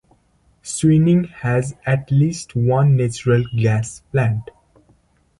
Suining has at least one natural gas plant.